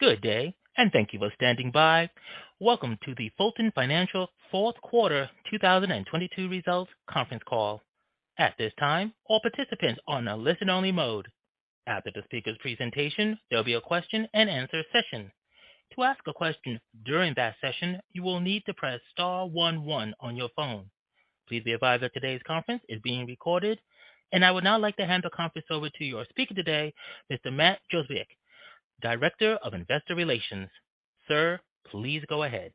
Good day. Thank you for standing by. Welcome to the Fulton Financial fourth quarter 2022 results conference call. At this time, all participants are on a listen only mode. After the speaker's presentation, there'll be a question-and-answer session. To ask a question during that session, you will need to press star one one on your phone. Please be advised that today's conference is being recorded. I would now like to hand the conference over to your speaker today, Mr. Matt Jozwiak, Director of Investor Relations. Sir, please go ahead.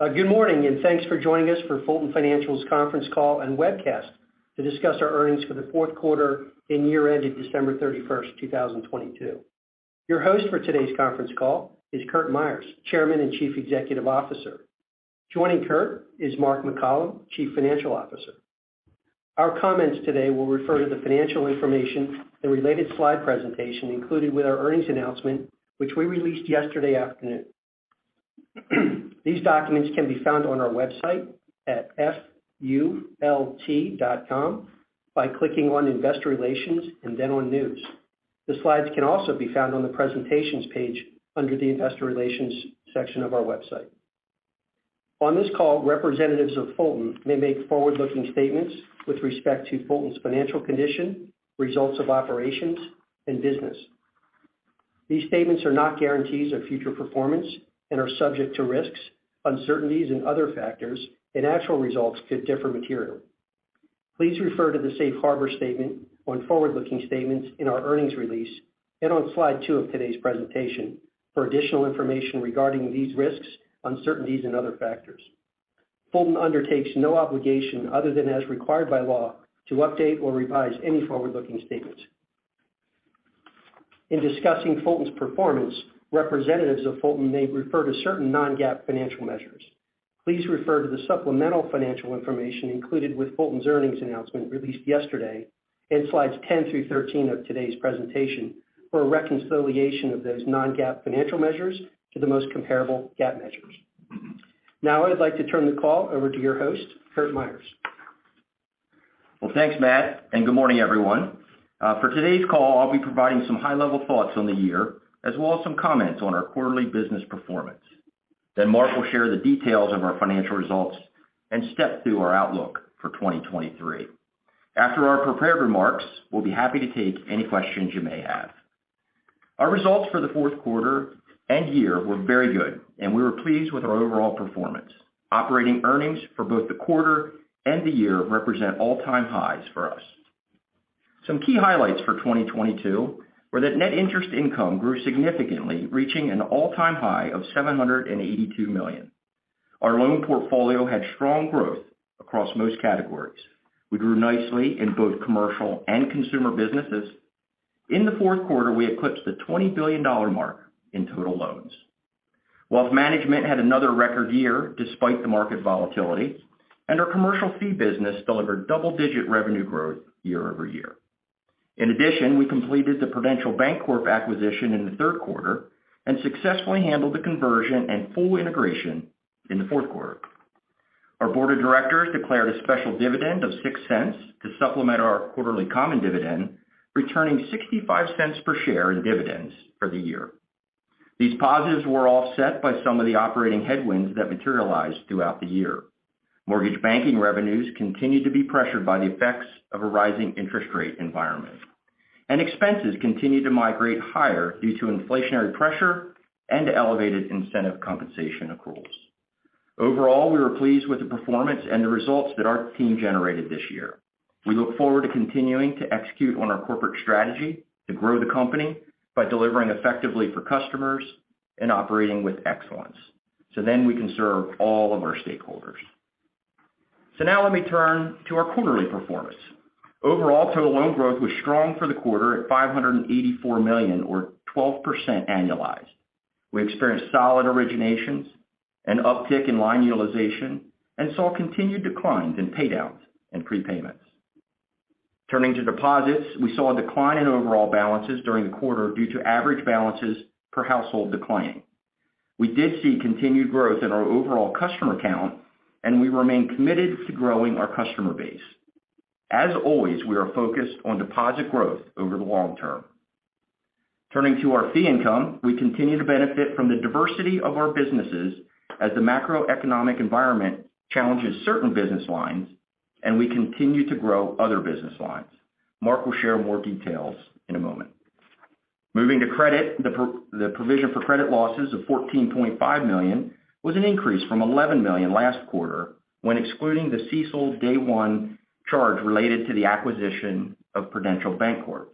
Good morning, thanks for joining us for Fulton Financial's conference call and webcast to discuss our earnings for the fourth quarter and year-end to December 31st, 2022. Your host for today's conference call is Curt Myers, Chairman and Chief Executive Officer. Joining Curt is Mark McCollom, Chief Financial Officer. Our comments today will refer to the financial information and related slide presentation included with our earnings announcement, which we released yesterday afternoon. These documents can be found on our website at fult.com by clicking on Investor Relations and then on News. The slides can also be found on the presentations page under the Investor Relations section of our website. On this call, representatives of Fulton may make forward-looking statements with respect to Fulton's financial condition, results of operations, and business. These statements are not guarantees of future performance and are subject to risks, uncertainties, and other factors, and actual results could differ materially. Please refer to the safe harbor statement on forward-looking statements in our earnings release and on Slide 2 of today's presentation for additional information regarding these risks, uncertainties, and other factors. Fulton undertakes no obligation other than as required by law to update or revise any forward-looking statements. In discussing Fulton's performance, representatives of Fulton may refer to certain non-GAAP financial measures. Please refer to the supplemental financial information included with Fulton's earnings announcement released yesterday in slides 10 through 13 of today's presentation for a reconciliation of those non-GAAP financial measures to the most comparable GAAP measures. Now, I would like to turn the call over to your host, Curt Myers. Well, thanks, Matt. Good morning, everyone. For today's call, I'll be providing some high-level thoughts on the year as well as some comments on our quarterly business performance. Mark will share the details of our financial results and step through our outlook for 2023. After our prepared remarks, we'll be happy to take any questions you may have. Our results for the fourth quarter and year were very good. We were pleased with our overall performance. Operating earnings for both the quarter and the year represent all-time highs for us. Some key highlights for 2022 were that net interest income grew significantly, reaching an all-time high of $782 million. Our loan portfolio had strong growth across most categories. We grew nicely in both commercial and consumer businesses. In the fourth quarter, we eclipsed the $20 billion mark in total loans. Wealth management had another record year despite the market volatility, and our commercial fee business delivered double-digit revenue growth year-over-year. In addition, we completed the Prudential Bancorp acquisition in the third quarter and successfully handled the conversion and full integration in the fourth quarter. Our board of directors declared a special dividend of $0.06 to supplement our quarterly common dividend, returning $0.65 per share in dividends for the year. These positives were offset by some of the operating headwinds that materialized throughout the year. Mortgage banking revenues continued to be pressured by the effects of a rising interest rate environment. Expenses continued to migrate higher due to inflationary pressure and elevated incentive compensation accruals. Overall, we were pleased with the performance and the results that our team generated this year. We look forward to continuing to execute on our corporate strategy to grow the company by delivering effectively for customers and operating with excellence, we can serve all of our stakeholders. Now let me turn to our quarterly performance. Overall, total loan growth was strong for the quarter at $584 million or 12% annualized. We experienced solid originations, an uptick in line utilization, and saw continued declines in paydowns and prepayments. Turning to deposits, we saw a decline in overall balances during the quarter due to average balances per household declining. We did see continued growth in our overall customer count, and we remain committed to growing our customer base. As always, we are focused on deposit growth over the long term. Turning to our fee income, we continue to benefit from the diversity of our businesses as the macroeconomic environment challenges certain business lines, and we continue to grow other business lines. Mark will share more details in a moment. Moving to credit, the provision for credit losses of $14.5 million was an increase from $11 million last quarter when excluding the CECL Day-One charge related to the acquisition of Prudential Bancorp.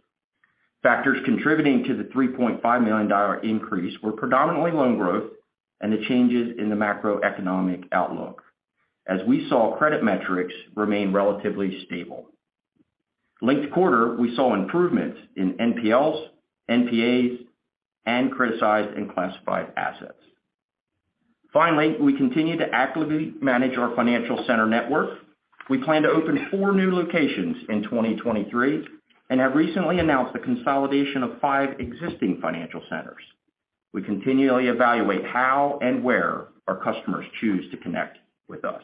Factors contributing to the $3.5 million increase were predominantly loan growth and the changes in the macroeconomic outlook as we saw credit metrics remain relatively stable. Linked quarter, we saw improvements in NPLs, NPAs, and criticized and classified assets. Finally, we continue to actively manage our financial center network. We plan to open 4 new locations in 2023 and have recently announced the consolidation of five existing financial centers. We continually evaluate how and where our customers choose to connect with us.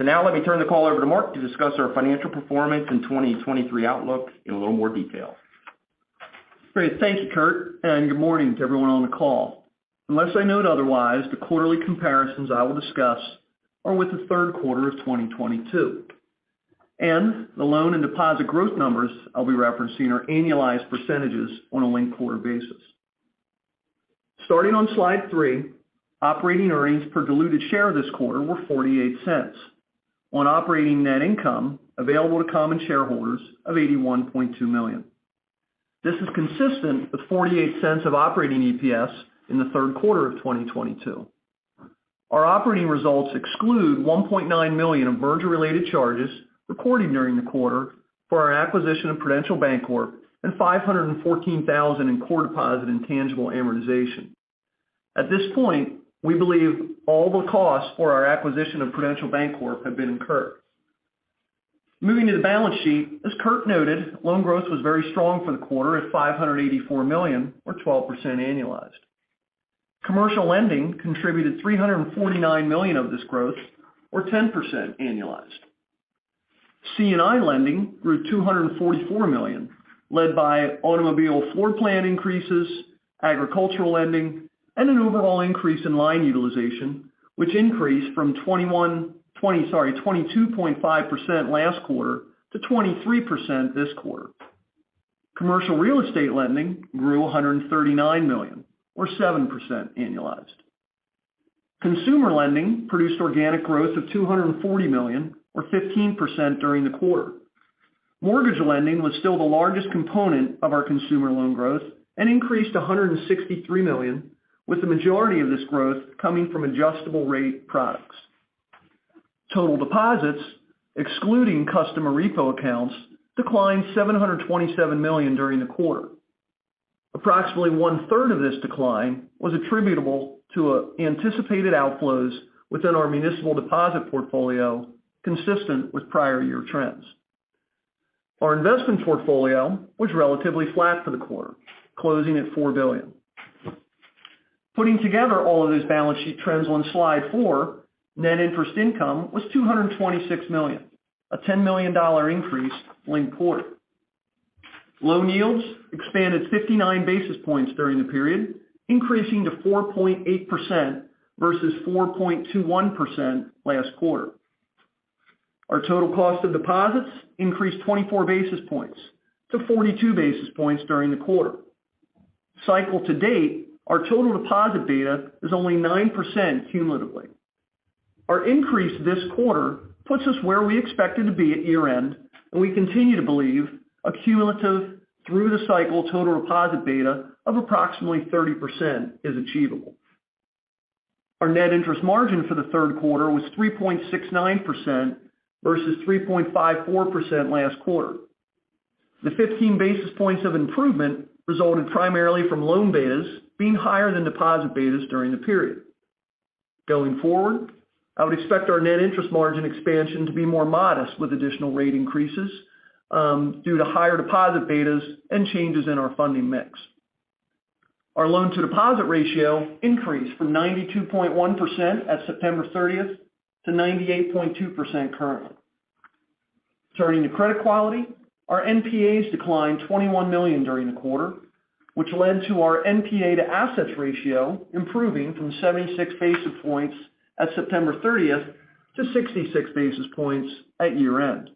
Now let me turn the call over to Mark to discuss our financial performance in 2023 outlook in a little more detail. Great. Thank you, Curt, good morning to everyone on the call. Unless I note otherwise, the quarterly comparisons I will discuss are with the third quarter of 2022. The loan and deposit growth numbers I'll be referencing are annualized percentages on a linked quarter basis. Starting on Slide 3, operating earnings per diluted share this quarter were $0.48 on operating net income available to common shareholders of $81.2 million. This is consistent with $0.48 of operating EPS in the third quarter of 2022. Our operating results exclude $1.9 million of merger-related charges recorded during the quarter for our acquisition of Prudential Bancorp and $514,000 in core deposit and tangible amortization. At this point, we believe all the costs for our acquisition of Prudential Bancorp have been incurred. Moving to the balance sheet, as Curt noted, loan growth was very strong for the quarter at $584 million or 12% annualized. Commercial lending contributed $349 million of this growth or 10% annualized. C&I lending grew $244 million, led by automobile floor plan increases, agricultural lending, and an overall increase in line utilization, which increased from 22.5% last quarter to 23% this quarter. Commercial real estate lending grew $139 million or 7% annualized. Consumer lending produced organic growth of $240 million or 15% during the quarter. Mortgage lending was still the largest component of our consumer loan growth and increased $163 million, with the majority of this growth coming from adjustable rate products. Total deposits, excluding customer repo accounts, declined $727 million during the quarter. Approximately 1/3 of this decline was attributable to anticipated outflows within our municipal deposit portfolio, consistent with prior year trends. Our investment portfolio was relatively flat for the quarter, closing at $4 billion. Putting together all of these balance sheet trends on slide four, net interest income was $226 million, a $10 million increase linked quarter. Loan yields expanded 59 basis points during the period, increasing to 4.8% versus 4.21% last quarter. Our total cost of deposits increased 24 basis points to 42 basis points during the quarter. Cycle to date, our total deposit beta is only 9% cumulatively. Our increase this quarter puts us where we expected to be at year-end, we continue to believe a cumulative through the cycle total deposit beta of approximately 30% is achievable. Our net interest margin for the third quarter was 3.69% versus 3.54% last quarter. The 15 basis points of improvement resulted primarily from loan betas being higher than deposit betas during the period. Going forward, I would expect our net interest margin expansion to be more modest with additional rate increases, due to higher deposit betas and changes in our funding mix. Our loan to deposit ratio increased from 92.1% at September 30th to 98.2% currently. Turning to credit quality, our NPAs declined $21 million during the quarter, which led to our NPA to assets ratio improving from 76 basis points at September 30th to 66 basis points at year-end.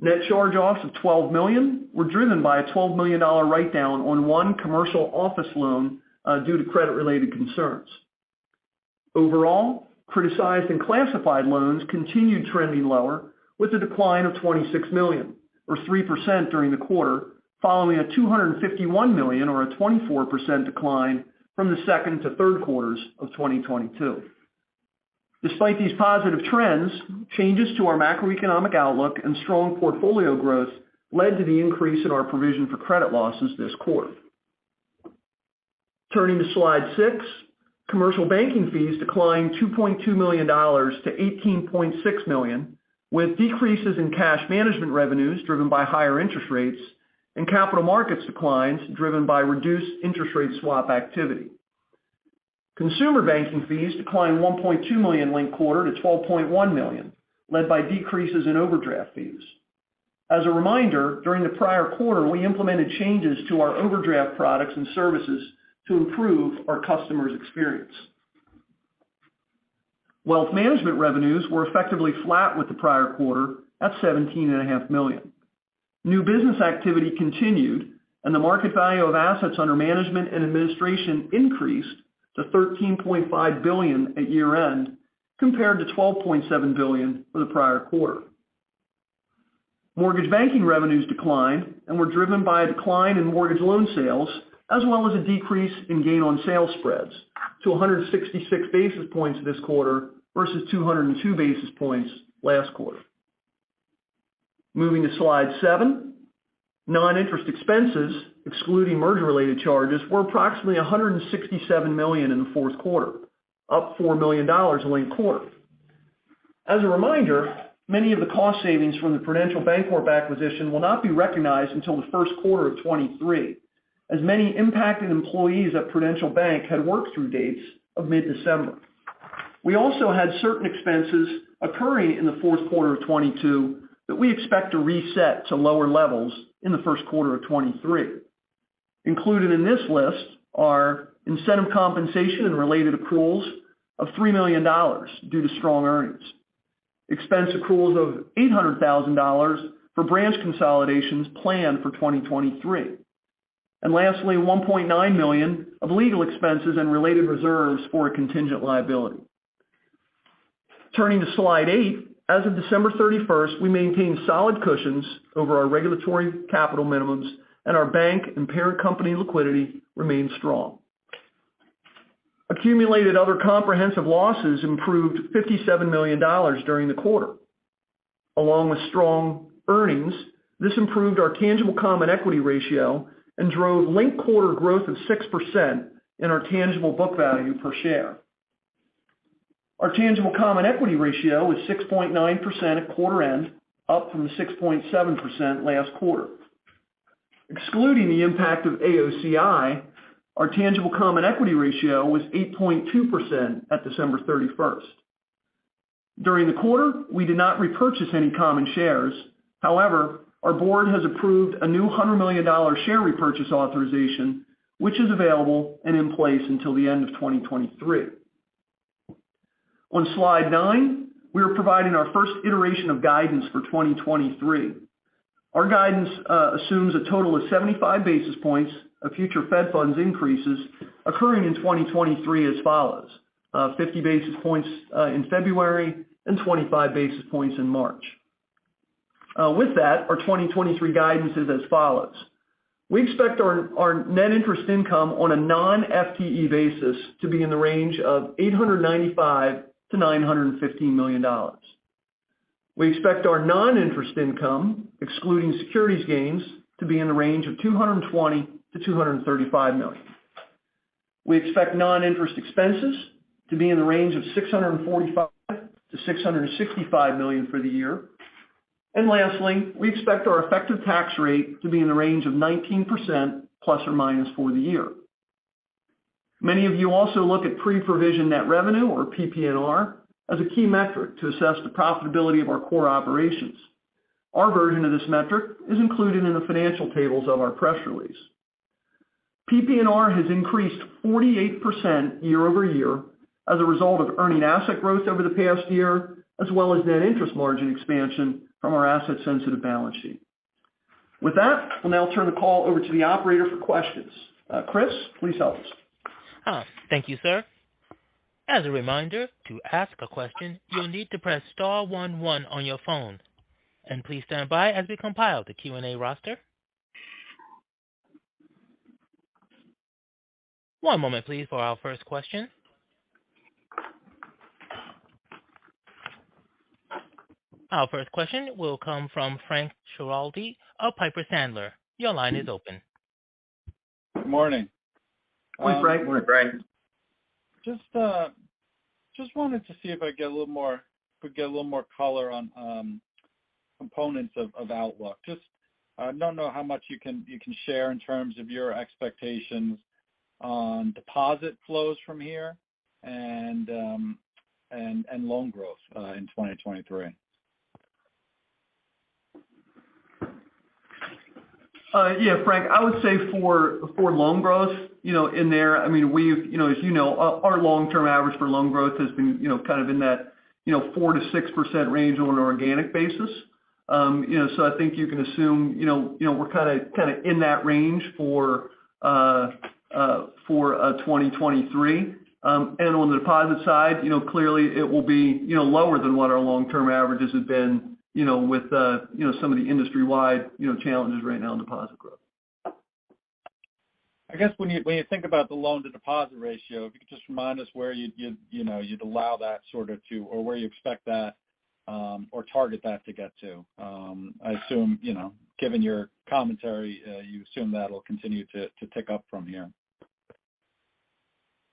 Net charge-offs of $12 million were driven by a $12 million write-down on one commercial office loan due to credit-related concerns. Overall, criticized and classified loans continued trending lower with a decline of $26 million or 3% during the quarter, following a $251 million or a 24% decline from the second to third quarters of 2022. Despite these positive trends, changes to our macroeconomic outlook and strong portfolio growth led to the increase in our provision for credit losses this quarter. Turning to Slide 6, commercial banking fees declined $2.2 million to $18.6 million, with decreases in cash management revenues driven by higher interest rates and capital markets declines driven by reduced interest rate swap activity. Consumer banking fees declined $1.2 million linked quarter to $12.1 million, led by decreases in overdraft fees. As a reminder, during the prior quarter, we implemented changes to our overdraft products and services to improve our customers' experience. Wealth management revenues were effectively flat with the prior quarter at seventeen and a half million. The market value of assets under management and administration increased to $13.5 billion at year-end compared to $12.7 billion for the prior quarter. Mortgage banking revenues declined and were driven by a decline in mortgage loan sales as well as a decrease in gain on sales spreads to 166 basis points this quarter versus 202 basis points last quarter. Moving to Slide 7. Non-interest expenses, excluding merger-related charges, were approximately $167 million in the fourth quarter, up $4 million linked quarter. As a reminder, many of the cost savings from the Prudential Bancorp acquisition will not be recognized until the first quarter of 2023. As many impacted employees at Prudential Bank had worked through dates of mid-December. We also had certain expenses occurring in the fourth quarter of 2022 that we expect to reset to lower levels in the first quarter of 2023. Included in this list are incentive compensation and related accruals of $3 million due to strong earnings. Expense accruals of $800,000 for branch consolidations planned for 2023. Lastly, $1.9 million of legal expenses and related reserves for a contingent liability. Turning to Slide 8. As of December 31st, we maintained solid cushions over our regulatory capital minimums, and our bank and parent company liquidity remains strong. Accumulated other comprehensive losses improved $57 million during the quarter. Along with strong earnings, this improved our tangible common equity ratio and drove linked quarter growth of 6% in our tangible book value per share. Our tangible common equity ratio is 6.9% at quarter end, up from the 6.7% last quarter. Excluding the impact of AOCI, our tangible common equity ratio was 8.2% at December 31st. During the quarter, we did not repurchase any common shares. Our board has approved a new $100 million share repurchase authorization, which is available and in place until the end of 2023. On Slide 9, we are providing our first iteration of guidance for 2023. Our guidance assumes a total of 75 basis points of future Fed funds increases occurring in 2023 as follows: 50 basis points in February and 25 basis points in March. With that, our 2023 guidance is as follows: We expect our net interest income on a non-FTE basis to be in the range of $895 million to $915 million. We expect our non-interest income, excluding securities gains, to be in the range of $220 million to $235 million. We expect non-interest expenses to be in the range of $645 million to $665 million for the year. Lastly, we expect our effective tax rate to be in the range of 19%+ or - for the year. Many of you also look at pre-provision net revenue or PPNR as a key metric to assess the profitability of our core operations. Our version of this metric is included in the financial tables of our press release. PPNR has increased 48% year-over-year as a result of earning asset growth over the past year as well as net interest margin expansion from our asset-sensitive balance sheet. With that, I'll now turn the call over to the operator for questions. Chris, please help us. Thank you, sir. As a reminder, to ask a question, you'll need to press star one one on your phone. Please stand by as we compile the Q&A roster. One moment please for our first question. Our first question will come from Frank Schiraldi of Piper Sandler. Your line is open. Good morning. Hi, Frank. Good morning, Frank. Just wanted to see if we get a little more color on components of outlook. Just, don't know how much you can share in terms of your expectations on deposit flows from here and loan growth in 2023. Yeah, Frank, I would say for loan growth, you know, in there, I mean, we've, you know, as you know, our long-term average for loan growth has been, you know, kind of in that, you know, 4% to 6% range on an organic basis. you know, I think you can assume, you know, we're kinda in that range for 2023. On the deposit side, you know, clearly it will be, you know, lower than what our long-term averages have been, you know, with, you know, some of the industry-wide, you know, challenges right now in deposit growth. I guess when you think about the loan-to-deposit ratio, if you could just remind us where you'd, you know, you'd allow that sort of to or where you expect that, or target that to get to? I assume, you know, given your commentary, you assume that'll continue to tick up from here.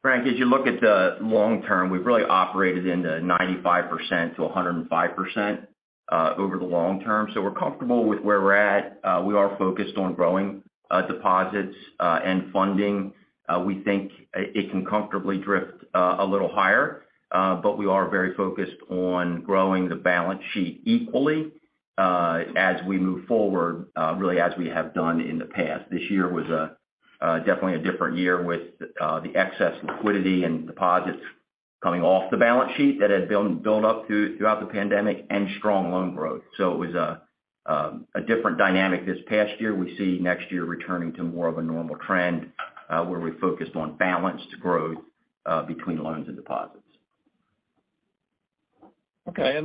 Frank, as you look at the long term, we've really operated in the 95% to 105% over the long term. We're comfortable with where we're at. We are focused on growing deposits and funding. We think it can comfortably drift a little higher, but we are very focused on growing the balance sheet equally as we move forward, really as we have done in the past. This year was a definitely a different year with the excess liquidity and deposits coming off the balance sheet that had built up throughout the pandemic and strong loan growth. It was a different dynamic this past year. We see next year returning to more of a normal trend, where we're focused on balanced growth between loans and deposits. Okay.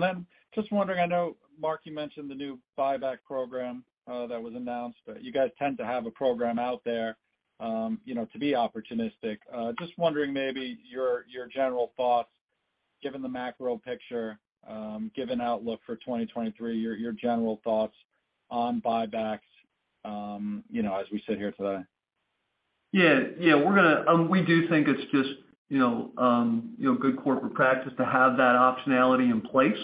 Just wondering, I know, Mark, you mentioned the new buyback program that was announced. You guys tend to have a program out there, you know, to be opportunistic. Just wondering maybe your general thoughts, given the macro picture, given outlook for 2023, your general thoughts on buybacks, you know, as we sit here today. Yeah, yeah. We do think it's just, you know, good corporate practice to have that optionality in place.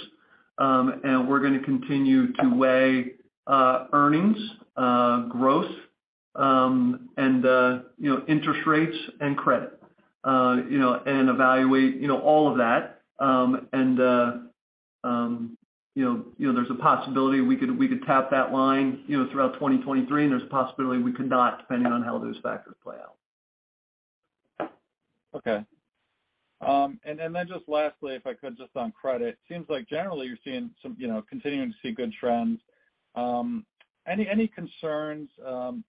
We're gonna continue to weigh earnings growth, and, you know, interest rates and credit. You know, and evaluate, you know, all of that. You know, there's a possibility we could tap that line, you know, throughout 2023, and there's a possibility we could not, depending on how those factors play out. Okay. Then just lastly, if I could just on credit. Seems like generally you're seeing some, you know, continuing to see good trends. Any concerns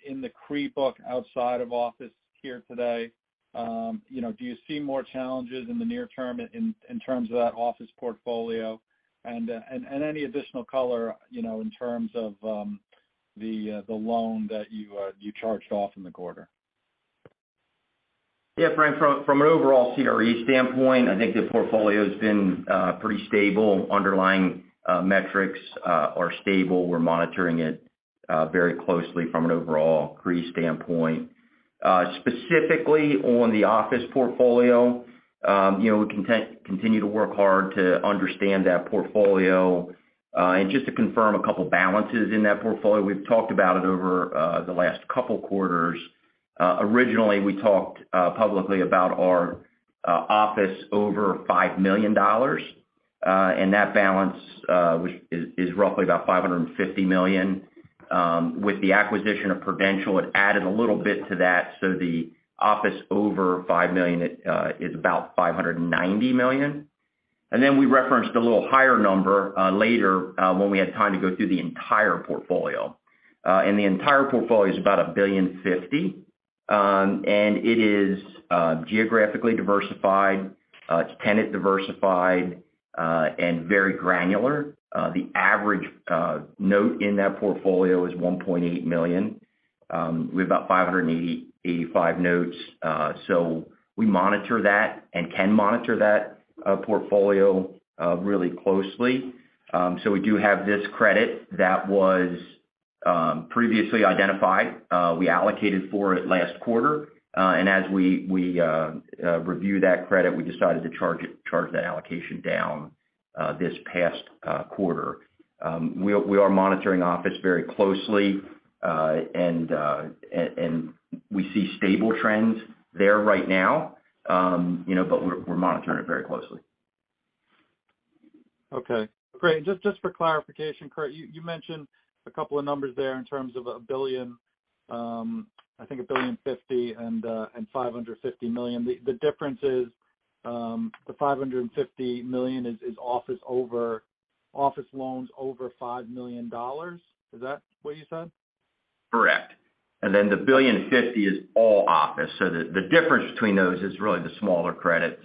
in the CRE book outside of office here today? You know, do you see more challenges in the near term in terms of that office portfolio? Any additional color, you know, in terms of the loan that you charged off in the quarter? Frank, from an overall CRE standpoint, I think the portfolio's been pretty stable. Underlying metrics are stable. We're monitoring it very closely from an overall CRE standpoint. Specifically on the office portfolio, you know, we continue to work hard to understand that portfolio. And just to confirm a couple balances in that portfolio, we've talked about it over the last couple quarters. Originally, we talked publicly about our office over $5 million, and that balance, which is roughly about $550 million. With the acquisition of Prudential, it added a little bit to that, so the office over $5 million is about $590 million. We referenced a little higher number later when we had time to go through the entire portfolio. The entire portfolio is about $1.05 billion. It is geographically diversified, it's tenant diversified, and very granular. The average note in that portfolio is $1.8 million. We have about 585 notes. We monitor that and can monitor that portfolio really closely. We do have this credit that was previously identified. We allocated for it last quarter. As we reviewed that credit, we decided to charge that allocation down this past quarter. We are monitoring office very closely. We see stable trends there right now. You know, but we're monitoring it very closely. Okay. Great. Just for clarification, Curt, you mentioned a couple of numbers there in terms of $1 billion, I think $1.05 billion and $550 million. The difference is, $550 million is office loans over $5 million. Is that what you said? Correct. Then the $1.05 billion is all office. The difference between those is really the smaller credits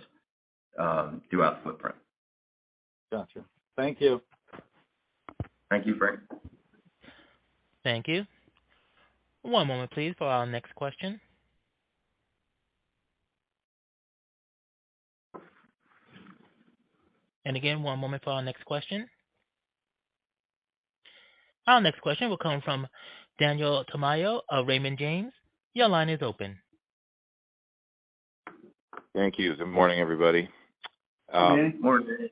throughout the footprint. Gotcha. Thank you. Thank you, Frank. Thank you. One moment please for our next question. Again, one moment for our next question. Our next question will come from Daniel Tamayo of Raymond James. Your line is open. Thank you. Good morning, everybody. Good morning.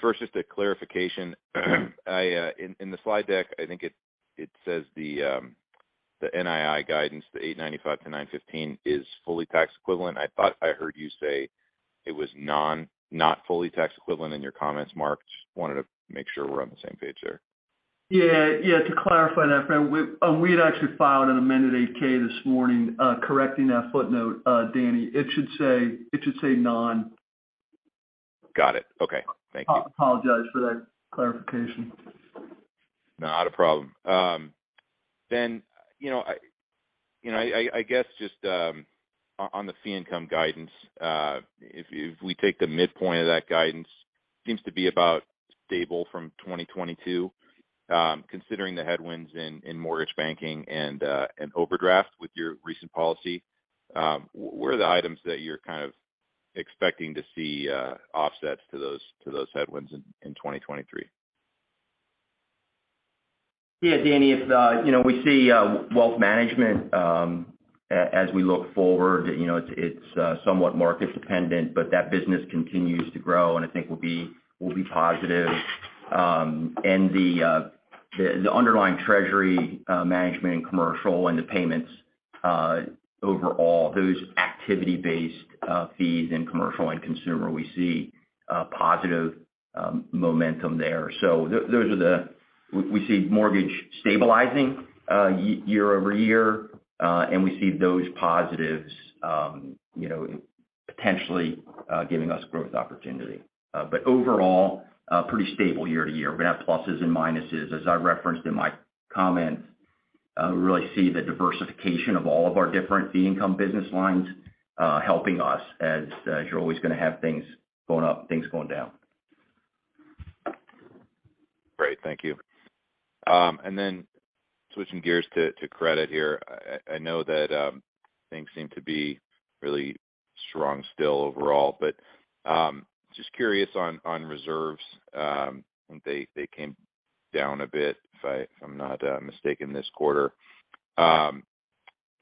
First just a clarification. I, in the slide deck, I think it says the NII guidance, the $895 million to $915 million is fully tax equivalent. I thought I heard you say it was not fully tax equivalent in your comments, Mark. Just wanted to make sure we're on the same page there. Yeah. To clarify that, friend, we had actually filed an amended 8-K this morning, correcting that footnote, Danny. It should say none. Got it. Okay. Thank you. Apologize for that clarification. Not a problem. You know, I guess just on the fee income guidance, if we take the midpoint of that guidance, seems to be about stable from 2022, considering the headwinds in mortgage banking and overdraft with your recent policy. What are the items that you're kind of expecting to see offsets to those headwinds in 2023? Yeah, Danny. If, you know, we see wealth management, as we look forward, you know, it's somewhat market dependent, but that business continues to grow, and I think will be positive. The underlying treasury management and commercial and the payments overall, those activity-based fees in commercial and consumer, we see positive momentum there. We see mortgage stabilizing year-over-year, and we see those positives, you know, potentially giving us growth opportunity. Overall, pretty stable year-to-year. We have pluses and minuses, as I referenced in my comments. We really see the diversification of all of our different fee income business lines, helping us as you're always gonna have things going up, things going down. Great. Thank you. Then switching gears to credit here. I know that things seem to be really strong still overall, but just curious on reserves. They came down a bit, if I'm not mistaken this quarter. You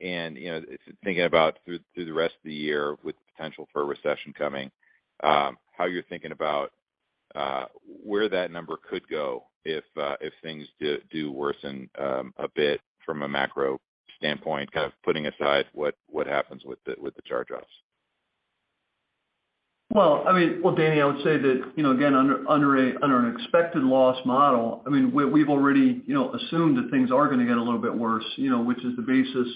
know, thinking about through the rest of the year with the potential for a recession coming, how you're thinking about where that number could go if things do worsen a bit from a macro standpoint, kind of putting aside what happens with the charge-offs. Well, I mean, Well, Danny, I would say that, you know, again, under an expected loss model, I mean, we've already, you know, assumed that things are gonna get a little bit worse, you know, which is the basis,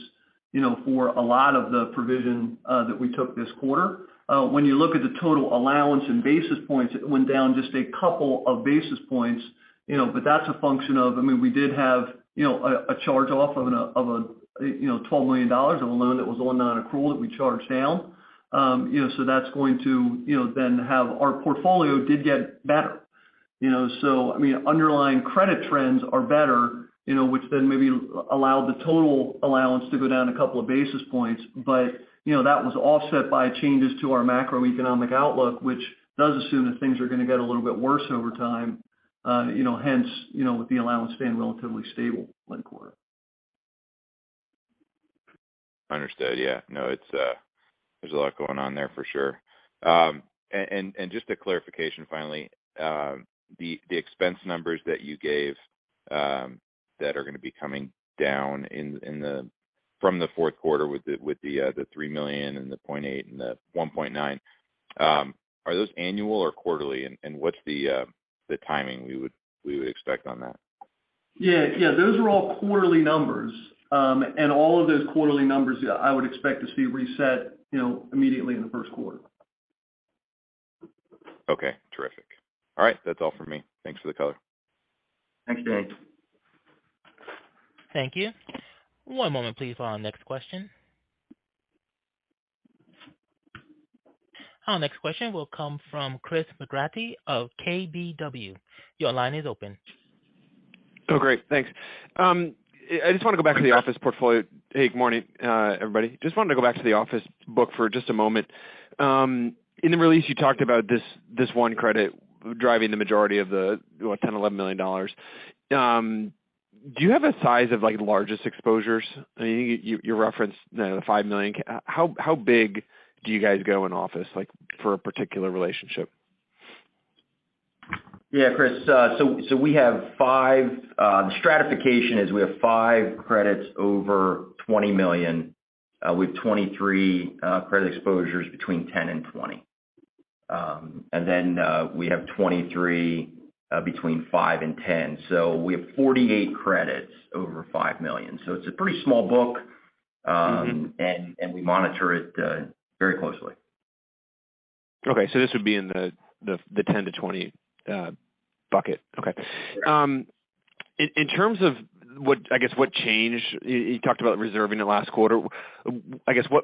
you know, for a lot of the provision that we took this quarter. When you look at the total allowance in basis points, it went down just a couple of basis points, you know. That's a function of, I mean, we did have, you know, a charge-off of a, you know, $12 million on a loan that was on nonaccrual that we charged down. You know, so that's going to, you know, then have. Our portfolio did get better, you know. I mean, underlying credit trends are better, you know, which then maybe allowed the total allowance to go down a couple of basis points. You know, that was offset by changes to our macroeconomic outlook, which does assume that things are gonna get a little bit worse over time. You know, hence, you know, with the allowance staying relatively stable one quarter. Understood. Yeah. No, it's, there's a lot going on there for sure. Just a clarification finally. The expense numbers that you gave, that are gonna be coming down from the fourth quarter with the $3 million and the $0.8 million and the $1.9 million, are those annual or quarterly? What's the timing we would expect on that? Yeah. Yeah. Those are all quarterly numbers. All of those quarterly numbers, I would expect to see reset, you know, immediately in the first quarter. Okay. Terrific. All right. That's all for me. Thanks for the color. Thanks, Danny. Thank you. One moment please on next question. Our next question will come from Christopher McGratty of KBW. Your line is open. Oh, great. Thanks. I just wanna go back to the office portfolio. Hey, good morning, everybody. Just wanted to go back to the office book for just a moment. In the release you talked about this one credit driving the majority of the $10 million to $11 million. Do you have a size of like largest exposures? You referenced the $5 million. How big do you guys go in office, like, for a particular relationship? Yeah, Chris. The stratification is we have five credits over $20 million, with 23 credit exposures between $10 million and $20 million. We have 23 between $5 million and $10 million. We have 48 credits over $5 million. It's a pretty small book, and we monitor it very closely. Okay. this would be in the 10 to 20 bucket. Okay. Yeah. In terms of what changed, you talked about reserving it last quarter.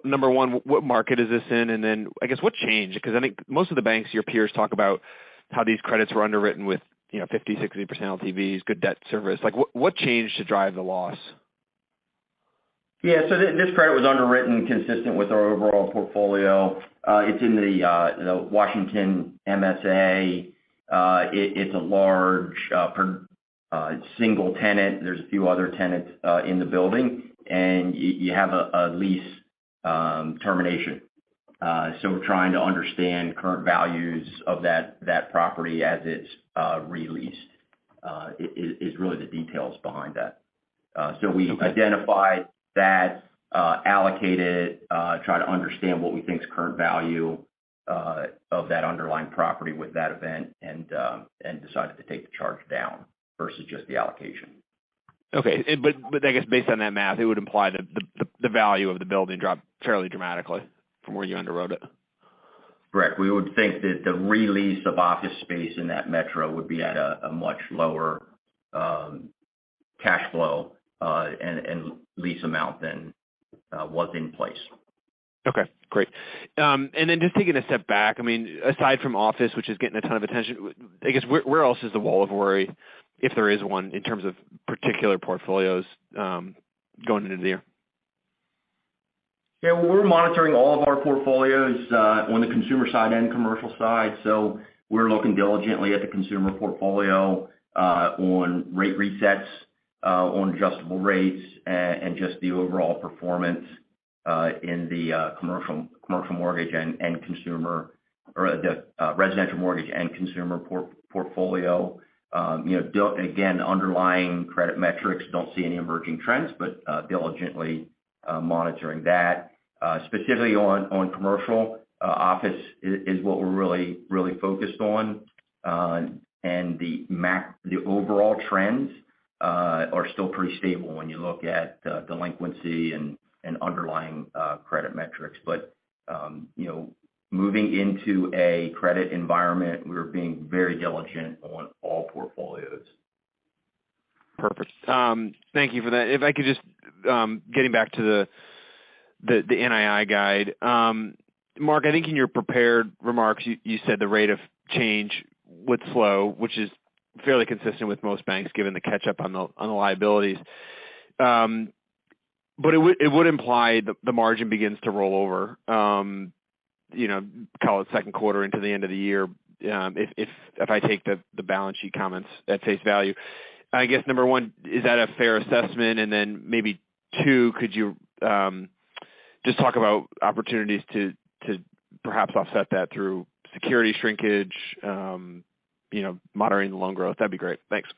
Number one, what market is this in? Then I guess what changed? I think most of the banks, your peers talk about how these credits were underwritten with, you know, 50%, 60% LTVs, good debt service. Like, what changed to drive the loss? This credit was underwritten consistent with our overall portfolio. It's in the, you know, Washington MSA. It's a large single tenant. There's a few other tenants in the building. You have a lease, termination. We're trying to understand current values of that property as it's re-leased, is really the details behind that. We identified that, allocated, try to understand what we think is current value, of that underlying property with that event and decided to take the charge down versus just the allocation. Okay. I guess based on that math, it would imply that the value of the building dropped fairly dramatically from where you underwrote it. Correct. We would think that the re-lease of office space in that metro would be at a much lower cash flow, and lease amount than was in place. Okay, great. Just taking a step back, I mean, aside from office, which is getting a ton of attention, I guess where else is the wall of worry, if there is one, in terms of particular portfolios, going into the year? Yeah. We're monitoring all of our portfolios, on the consumer side and commercial side. We're looking diligently at the consumer portfolio, on rate resets, on adjustable rates, and just the overall performance, in the commercial mortgage and consumer or the residential mortgage and consumer portfolio. You know, again, underlying credit metrics, don't see any emerging trends, but diligently monitoring that. Specifically on commercial, office is what we're really focused on. The overall trends are still pretty stable when you look at delinquency and underlying credit metrics. You know, moving into a credit environment, we're being very diligent on all portfolios. Perfect. Thank you for that. If I could just getting back to the NII guide. Mark, I think in your prepared remarks you said the rate of change would slow, which is fairly consistent with most banks given the catch up on the liabilities. It would imply the margin begins to roll over. You know, call it second quarter into the end of the year, if I take the balance sheet comments at face value. I guess, number one, is that a fair assessment? Then maybe two, could you just talk about opportunities to perhaps offset that through security shrinkage, you know, moderating the loan growth? That'd be great. Thanks.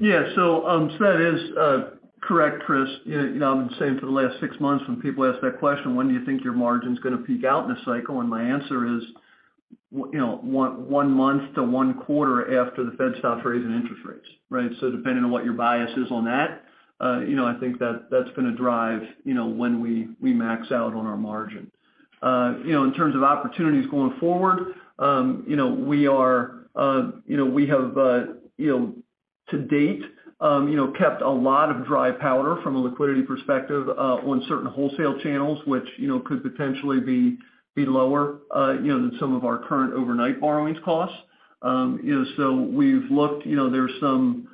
Yeah. That is correct, Chris McGratty. You know, I've been saying for the last six months when people ask that question, when do you think your margin's gonna peak out in this cycle? My answer is, you know, one month to one quarter after the Fed stops raising interest rates, right? Depending on what your bias is on that, you know, I think that that's gonna drive, you know, when we max out on our margin. You know, in terms of opportunities going forward, you know, we are, you know, we have, you know, to date, you know, kept a lot of dry powder from a liquidity perspective, on certain wholesale channels, which, you know, could potentially be lower, you know, than some of our current overnight borrowings costs. You know, we've looked, you know, there's some,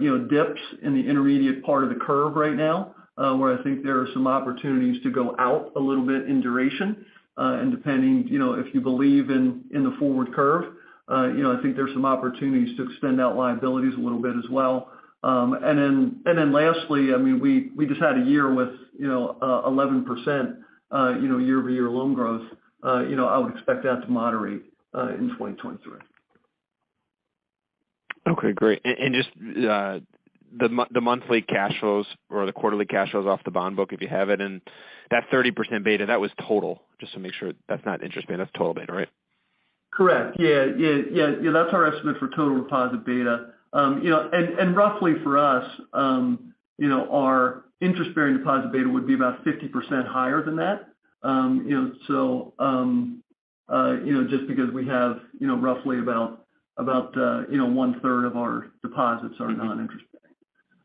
you know, dips in the intermediate part of the curve right now, where I think there are some opportunities to go out a little bit in duration. Depending, you know, if you believe in the forward curve, you know, I think there's some opportunities to extend out liabilities a little bit as well. Then, and then lastly, I mean, we just had a year with, you know, 11%, you know, year-over-year loan growth. I would expect that to moderate, in 2023. Okay, great. Just the monthly cash flows or the quarterly cash flows off the bond book if you have it. That 30% beta, that was total, just to make sure that's not interest beta, that's total beta, right? Correct. Yeah, that's our estimate for total deposit beta. You know, roughly for us, you know, our interest-bearing deposit beta would be about 50% higher than that. You know, just because we have, you know, roughly about, you know, 1/3 of our deposits are non-interest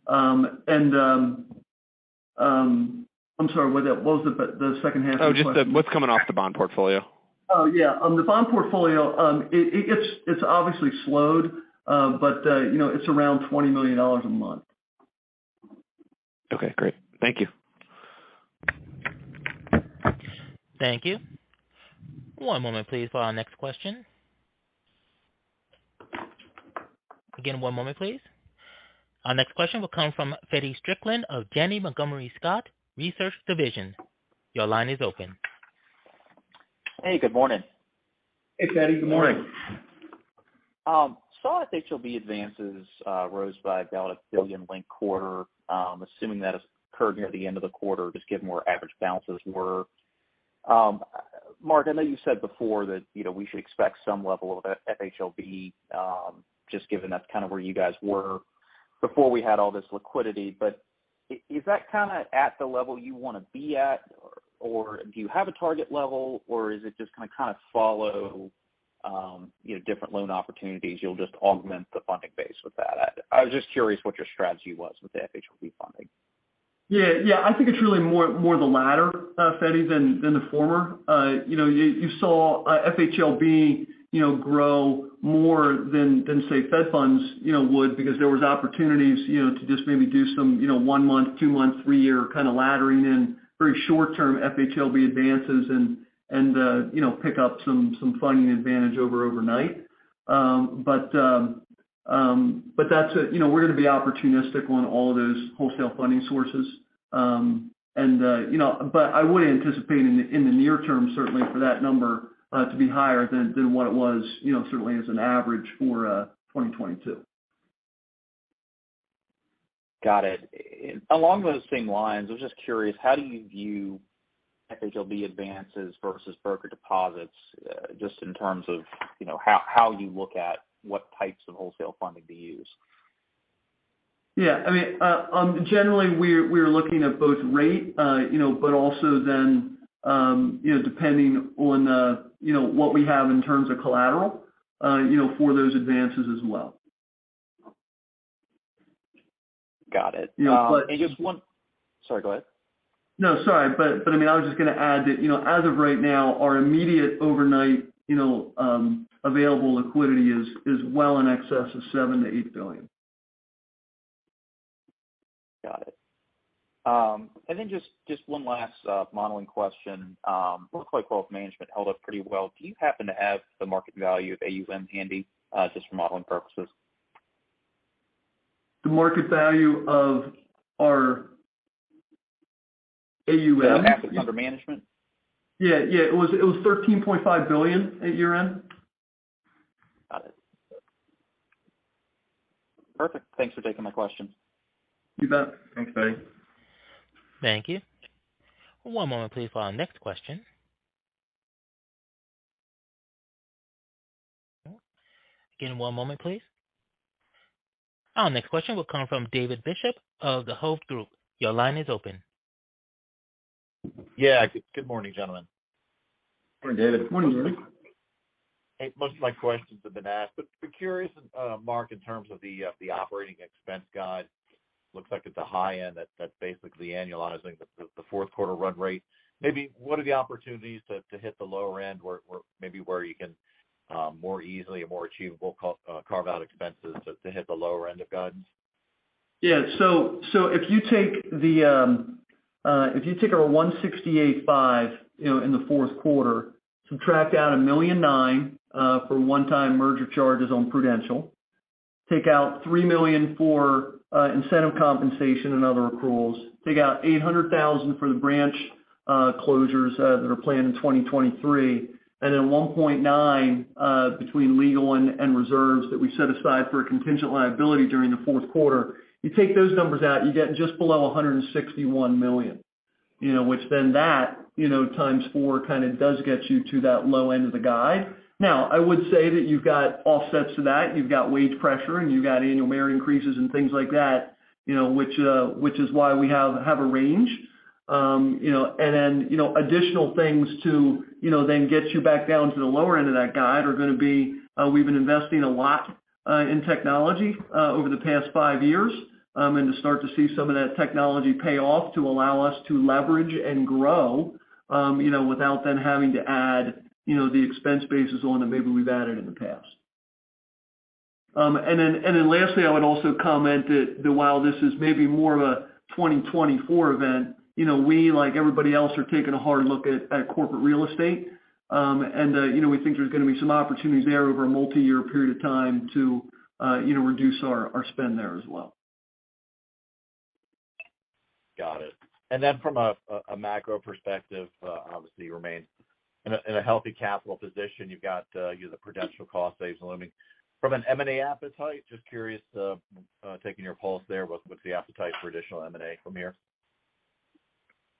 bearing. I'm sorry, what was the second half of the question? Oh, just what's coming off the bond portfolio? Oh, yeah. On the bond portfolio, it's obviously slowed, but, you know, it's around $20 million a month. Okay, great. Thank you. Thank you. One moment please for our next question. Again, one moment please. Our next question will come from Feddie Strickland of Janney Montgomery Scott Research Division. Your line is open. Hey, good morning. Hey, Feddie. Good morning. Good morning. Saw FHLB advances rose by about $1 billion linked quarter. Assuming that occurred near the end of the quarter, just given where average balances were. Mark, I know you said before that, you know, we should expect some level of FHLB, just given that's kind of where you guys were before we had all this liquidity. Is that kind of at the level you wanna be at or do you have a target level or is it just gonna kind of follow, you know, different loan opportunities, you'll just augment the funding base with that? I was just curious what your strategy was with the FHLB funding. Yeah. Yeah. I think it's really more the latter, Feddie than the former. You know, you saw FHLB, you know, grow more than say Fed funds, you know, would because there was opportunities, you know, to just maybe do one month, two month, three year kind of laddering in very short term FHLB advances and, you know, pick up some funding advantage over overnight. You know, we're gonna be opportunistic on all of those wholesale funding sources. You know, but I wouldn't anticipate in the, in the near term certainly for that number to be higher than what it was, you know, certainly as an average for 2022. Got it. Along those same lines, I was just curious, how do you view FHLB advances versus broker deposits just in terms of, you know, how you look at what types of wholesale funding to use? Yeah. I mean, generally, we're looking at both rate, you know, but also then, you know, depending on, you know, what we have in terms of collateral, you know, for those advances as well. Got it. Yeah. Just one. Sorry, go ahead. No, sorry. I mean, I was just gonna add that, you know, available liquidity is well in excess of $7 billion to $8 billion. Got it. Just one last modeling question. Looks like wealth management held up pretty well. Do you happen to have the market value of AUM handy, just for modeling purposes? The market value of our AUM? Assets under management. Yeah, yeah. It was $13.5 billion at year-end. Got it. Perfect. Thanks for taking my questions. You bet. Thanks, Feddie. Thank you. One moment please for our next question. Again, one moment please. Our next question will come from David Bishop of The Hovde Group. Your line is open. Yeah. Good morning, gentlemen. Morning, David. Morning, David. Hey, most of my questions have been asked. Curious, Mark, in terms of the operating expense guide, looks like at the high end that's basically annualizing the fourth quarter run rate. Maybe what are the opportunities to hit the lower end where maybe where you can more easily and more achievable carve out expenses to hit the lower end of guides? If you take our $168.5, you know, in the fourth quarter, subtract out $1.9 million for one-time merger charges on Prudential, take out $3 million for incentive compensation and other accruals, take out $800,000 for the branch closures that are planned in 2023, and then $1.9 million between legal and reserves that we set aside for a contingent liability during the fourth quarter. You take those numbers out, you get just below $161 million, you know, which then that, you know, times four kinda does get you to that low end of the guide. I would say that you've got offsets to that. You've got wage pressure, and you've got annual merit increases and things like that, you know, which is why we have a range. You know, additional things to, you know, then get you back down to the lower end of that guide are gonna be, we've been investing a lot in technology over the past five years, and to start to see some of that technology pay off to allow us to leverage and grow, you know, without then having to add, you know, the expense bases on that maybe we've added in the past. Lastly, I would also comment that while this is maybe more of a 2024 event, you know, we, like everybody else, are taking a hard look at corporate real estate. you know, we think there's gonna be some opportunities there over a multiyear period of time to, you know, reduce our spend there as well. Got it. From a macro perspective, obviously you remain in a healthy capital position. You've got, you know, the Prudential cost saves looming. From an M&A appetite, just curious, taking your pulse there, what's the appetite for additional M&A from here?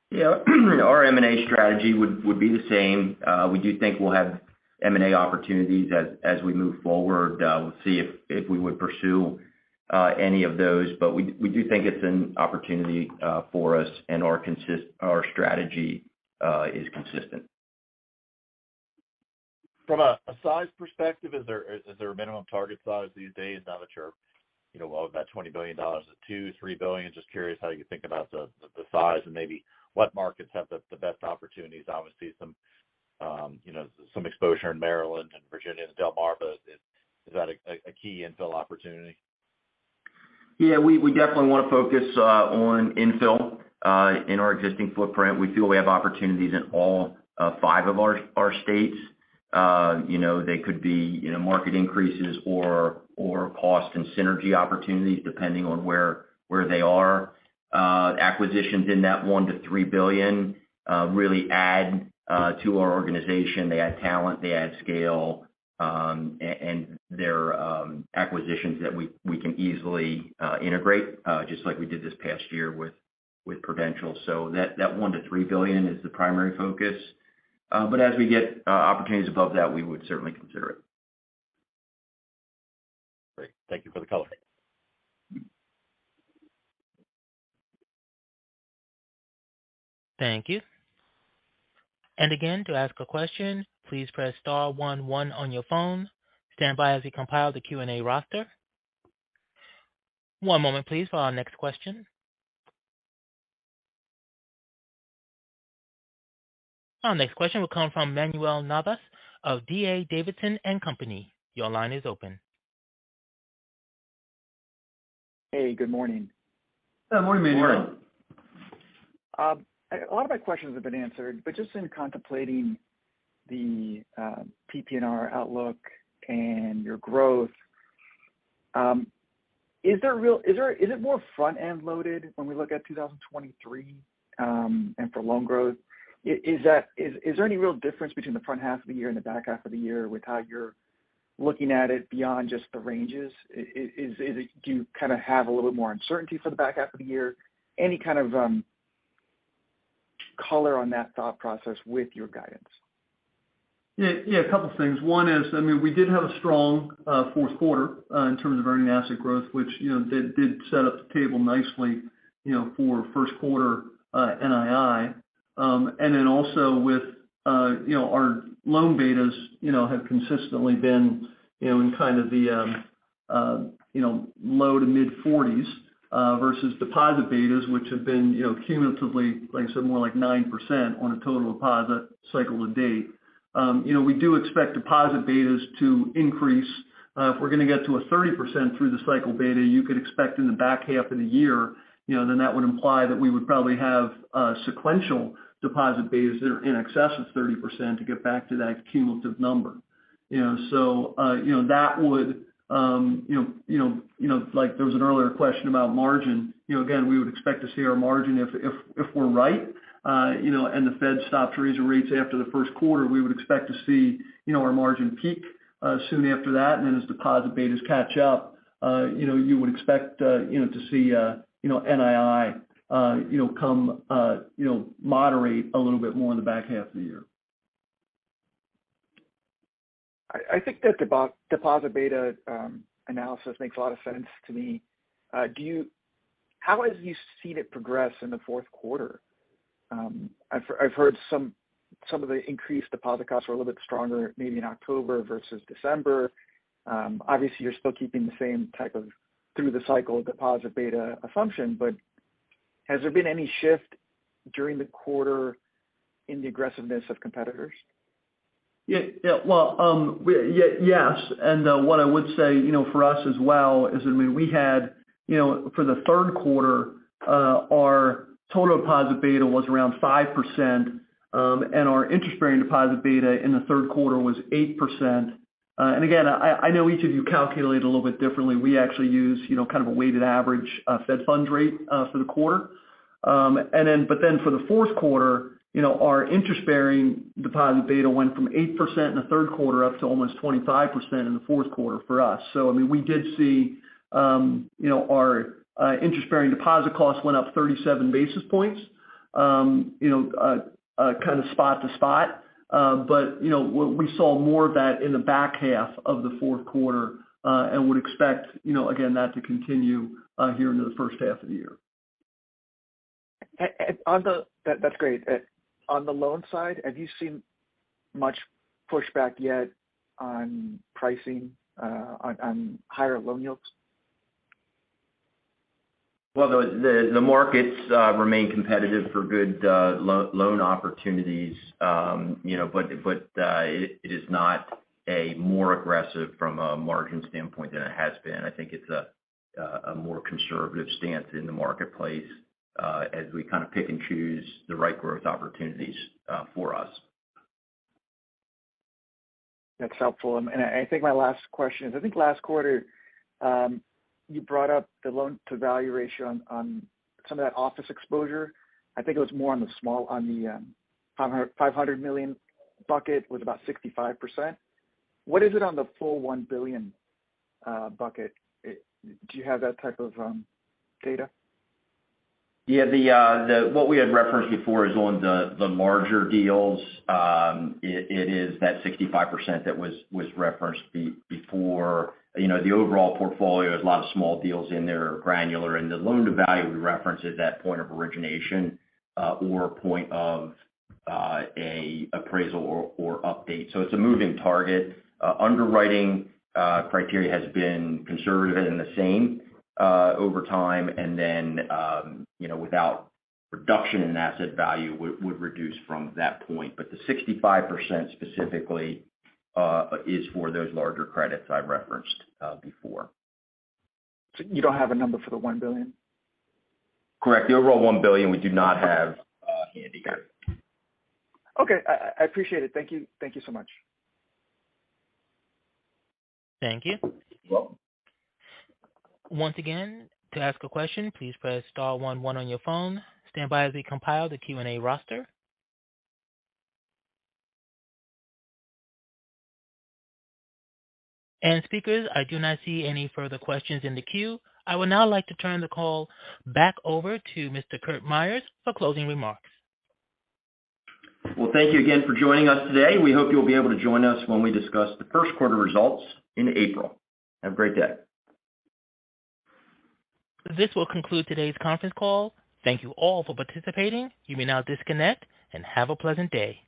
Yeah. Our M&A strategy would be the same. We do think we'll have M&A opportunities as we move forward. We'll see if we would pursue any of those. We do think it's an opportunity for us, and our strategy, is consistent. From a size perspective, is there a minimum target size these days now that you're, you know, about $20 billion to $2 billion to $3 billion? Just curious how you think about the size and maybe what markets have the best opportunities. Obviously some, you know, some exposure in Maryland and Virginia and Delmarva, but is that a key infill opportunity? We definitely wanna focus on infill in our existing footprint. We feel we have opportunities in all five of our states. You know, they could be, you know, market increases or cost and synergy opportunities depending on where they are. Acquisitions in that $1 billion to $3 billion really add to our organization. They add talent, they add scale, and they're acquisitions that we can easily integrate just like we did this past year with Prudential. That $1 billion to $3 billion is the primary focus. As we get opportunities above that, we would certainly consider it. Great. Thank you for the color. Thank you. Again, to ask a question, please press star one one on your phone. Stand by as we compile the Q&A roster. One moment please for our next question. Our next question will come from Manuel Navas of D.A. Davidson & Co. Your line is open. Hey, good morning. Good morning, Manuel. Morning. A lot of my questions have been answered, just in contemplating the PPNR outlook and your growth, is it more front-end loaded when we look at 2023 and for loan growth? Is there any real difference between the front half of the year and the back half of the year with how you're looking at it beyond just the ranges? Is it do you kind of have a little bit more uncertainty for the back half of the year? Any kind of color on that thought process with your guidance? Yeah. Yeah, a couple things. One is, I mean, we did have a strong, fourth quarter, in terms of earning asset growth, which, you know, did set up the table nicely, you know, for first quarter, NII. Also with, you know, our loan betas, you know, have consistently been, you know, in kind of the, you know, low to mid-40s, versus deposit betas, which have been, you know, cumulatively, like I said, more like 9% on a total deposit cycle to date. You know, we do expect deposit betas to increase. If we're gonna get to a 30% through the cycle beta, you could expect in the back half of the year, you know, that would imply that we would probably have sequential deposit betas that are in excess of 30% to get back to that cumulative number. You know, like there was an earlier question about margin, you know, again, we would expect to see our margin if we're right, you know, and the Fed stops raising rates after the 1st quarter, we would expect to see, you know, our margin peak soon after that. As deposit betas catch up, you know, you would expect, you know, NII, you know, come, you know, moderate a little bit more in the back half of the year. I think that deposit beta analysis makes a lot of sense to me. How has you seen it progress in the fourth quarter? I've heard some of the increased deposit costs were a little bit stronger maybe in October versus December. Obviously you're still keeping the same type of through the cycle deposit beta assumption, but has there been any shift during the quarter in the aggressiveness of competitors? Yeah, yeah. Well, yes. What I would say, you know, for us as well is, I mean, we had, you know, for the third quarter, our total deposit beta was around 5%, and our interest-bearing deposit beta in the third quarter was 8%. Again, I know each of you calculate a little bit differently. We actually use, you know, kind of a weighted average Fed funds rate for the quarter. For the fourth quarter, you know, our interest-bearing deposit beta went from 8% in the third quarter up to almost 25% in the fourth quarter for us. I mean, we did see, you know, our interest-bearing deposit costs went up 37 basis points. You know, kind of spot to spot. You know, we saw more of that in the back half of the fourth quarter, and would expect, you know, again, that to continue here into the first half of the year. That's great. On the loan side, have you seen much pushback yet on pricing, on higher loan yields? Well, the markets remain competitive for good loan opportunities. You know, it is not a more aggressive from a margin standpoint than it has been. I think it's a more conservative stance in the marketplace as we kind of pick and choose the right growth opportunities for us. That's helpful. I think my last question is, I think last quarter, you brought up the loan to value ratio on some of that office exposure. I think it was more on the small, on the $500 million bucket with about 65%. What is it on the full $1 billion bucket? Do you have that type of data? Yeah. What we had referenced before is on the larger deals. It is that 65% that was referenced before. You know, the overall portfolio has a lot of small deals in there, granular. The loan to value we referenced is that point of origination, or point of appraisal or update. It's a moving target. Underwriting criteria has been conservative and the same over time. You know, without reduction in asset value would reduce from that point. The 65% specifically is for those larger credits I referenced before. You don't have a number for the $1 billion? Correct. The overall $1 billion we do not have, handy here. Okay. I appreciate it. Thank you. Thank you so much. Thank you. You're welcome. Once again, to ask a question, please press star one one on your phone. Stand by as we compile the Q&A roster. Speakers, I do not see any further questions in the queue. I would now like to turn the call back over to Mr. Curtis Myers for closing remarks. Thank you again for joining us today. We hope you'll be able to join us when we discuss the first quarter results in April. Have a great day. This will conclude today's conference call. Thank You all for participating. You may now disconnect and have a pleasant day.